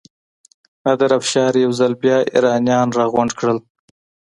نادر افشار یو ځل بیا ایرانیان راغونډ کړل.